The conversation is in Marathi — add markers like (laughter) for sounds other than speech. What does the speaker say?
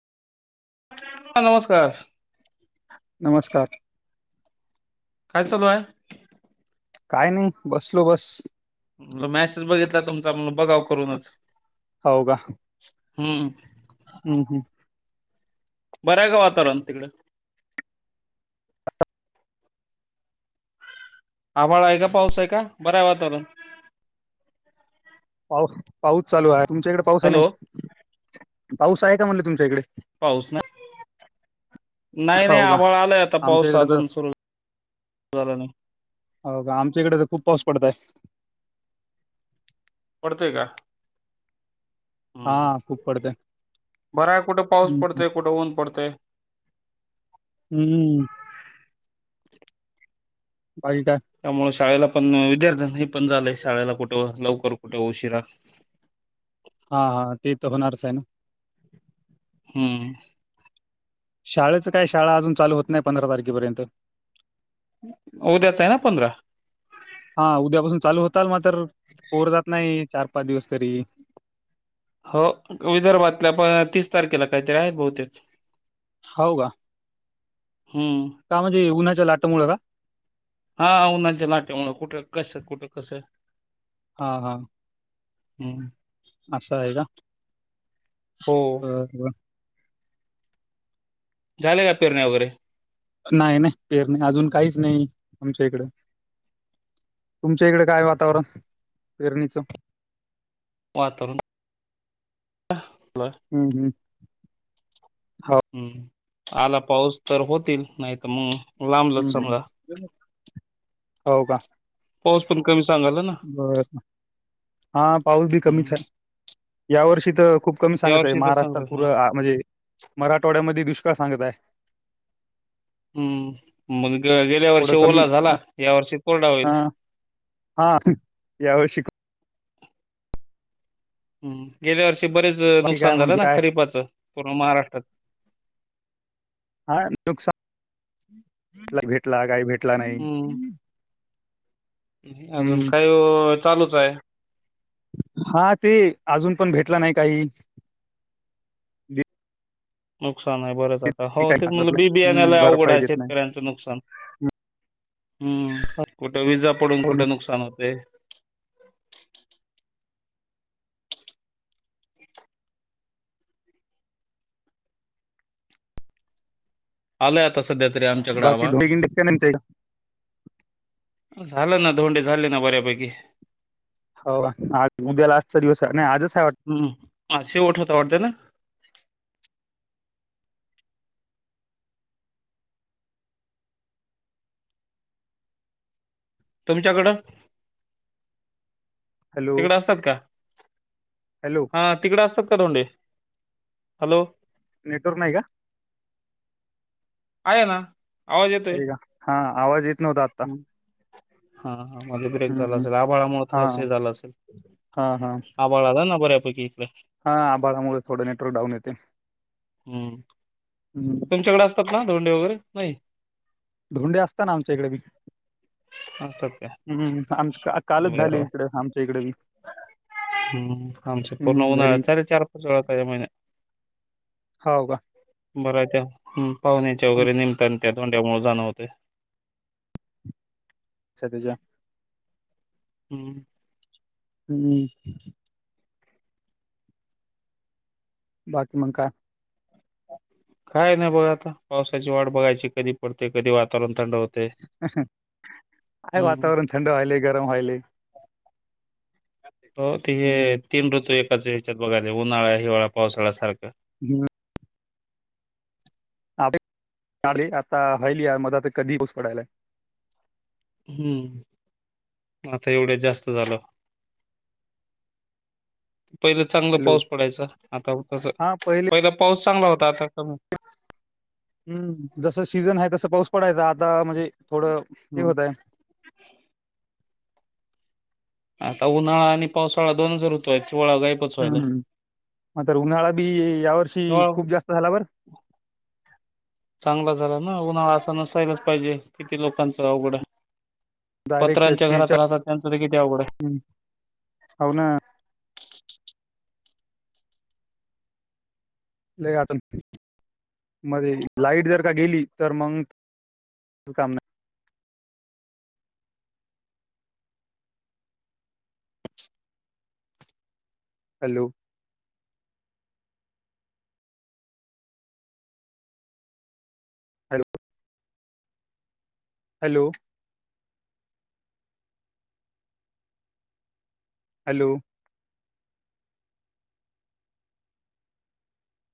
ह नमस्कार नमस्कार काय चालू आहे. काय नाही बसलो बस. म्ह मॅसेज बघितला तुमचा म्हण बघाव करूनच हम्म. हम् हम्! बऱ्या का वातावरण तिकडें आभ्हाळा आहे का पाऊस आहे का बरं आहे वातावरण पाऊ पाऊस चालू आहे तुमच्या इकडे पाऊस आहे हॅलो नाही पाऊस आहे का म्हणले तुमच्या इकडे पाऊस ना नाही नाही हो का आभाळ आलाय आता आमच्या पाऊस इकडे तर अजून सुरू झाला नाही हो का आमच्याकडे तर खूप पाऊस पडत आहे पडते का हम् ह हा खूप पडत आहे बरा आहे कुठं पाऊस हम्म पडतय कुठं ऊन पडतय हम्म बा का त्यामुळे शाळेला पण विद्यार्थ्यां हे पण झाले शाळेला कुठे लवकर कुठे उशिरा हा हा ते तर होणारच आहे ना हम्म शाळेचं काय शाळा अजून ल होत नाही पंधरा तारखेपर्यंत उद्याच आहे ना पंधरा हा उद्यापासून चालू होताल म तर पोर जात नाही चार पाच दिवस तरी हो विदर्भातल्या पण तीस तारखेला काहीतरी आहे बहुतेक हो का हम्म का म्हणजे उन्हा्याच्या लाटामुळेळं का हा उन्हाच्या लाटे म्ह कुठे कसं कुठं कसं हा हा हम् असशा आहे का हो ब झाले का पेरण्या वगैरे नाही नाही पेर नाही अजून काहीच नाही आमच्या इकड तुमच्या इकडे काय वातावरण फेरणीचं वातावरून हय हम हम हम्म आला पाऊस तर होतील नाही तर मग हम्म लांबलच सगा हम्म. हो का पाऊस पण कमी सांगाला ना बर हा पाऊस बी हम्म कमीच आहे यावर्षी तर खूप ूप कमी या सांगत आहे वर्षी तर महाराष्ट्रात सांगत पूर म्हणजे मराठवाड्यामध्ये दुष्काळ सांगत आहे हम्म मग गेल्या थोडं वर्षी कमी ओला झाला या वर्षी कोरडा होईल हा हा याव शिक हम् गेल्या वर्षी बरेच बाकी काय नुकसान मग झालं ना काय खरीपाचं पूर्ण महाराष्ट्रात हा नुकसा हम्म भेटला काही भेटला नाही अजून काही चालूच आहे हा ते अजून पण भेटला नाही काही देत नुकसान आहे बरंच आता हो नाही, काही तेच म्हटलं असलं. बी हम्म बियाण्याला अवघड भरपाई आहे देत नाही शेतकऱ्यांचं नुकसान हम्म कुठं विजा पडून हो ना कुठे नुकसान होते आलाय आता सध्या तरी आमच्याकडे आवा (unintelligible) झालं ना धोंडे झाले ना बऱ्यापैकी हो आज उद्या लास्चा दिवस आहे नाही आजच आहेय वाटत हम्म हा शेव उठवता वाटते ना तुमच्याकडं हॅलो तिकड असतात का हॅलो हा तिकडे असतात का दोंडे हॅलो नेटवर्क नाही का आहे ना आवाज येतोय का हा आवाज येत नव्हता आत्ता हा हा मध्ये ब्रेक झाला हम्म. असेल आभळामुळे हा थोडस झालं असेल हा हा ना बऱ्या पैकी इथले हा आभाळामुळे थोडं नेटवर्कडऊनेते हम्म हमम त्यांमच्याकडे असतात ना दोंडे वगरे नाही धोंडे असतात ना आमच्या इकडे ब हा सत हम्म आम कालच झाली इकडे आमच्या इकडेी हम्म आमच्या पूर्ण हम्म उन्हाळा घरी चाले चार पाच वेळा महिन्यात हो का बरा त्या पाहुण्याच्या वगैरे निमता त्या दधोंड्यामुळे जाणं होते अच्छ तच्याे हम् हम्म बाकी मग काय काय नाही बघ आता पावसाची वाट बघायची कधी पडते कधी वातावरण थंड होते काय हम्म वातावरण थंड व्हायले गरम व्हायले हो ते हम्म तीन ऋतू एकाच ह्याच्यात बघायला उन्हाळा हिवाळा पावसाळ्या सारखं हम् ली आता हली या मध्ये आ तर कधी पाऊस पडयलाय हम्म आता एवढ्याच जास्त झालं (unintelligible) पहिलं चांगलं हॅलो पाऊस पडायच आता तस हा पहिले पहिला पाऊस चांगला होता आता कमी हम्म जसं सीझन आहे तसं पाऊस पडायचा आता म्हणजे थोडं हे हम्म होतय आता उन्हाळा आणि पावसाळा दोनच ऋतू आहेत शिवाळा हम् ह् म तर उन्हाळा बी या वर्षी हिवाळा खूप जास्त झालावरर (unintelligible) चांगला झाला ना उन्हाळा असा नसायलाच पाहिजे किती लोकांच अवघडं डायरेक्ट पत्रांच्या घरात शेहेचाळीस राहतात त्यांचं ते किती अवघडं होऊ ना ल आच मध्ये लाईट जर का गेली तर मग काम नाही हॅलो हॅलो हॅलो हॅलो